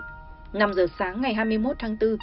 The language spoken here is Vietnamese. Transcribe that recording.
năm h sáng ngày hai mươi một tháng bốn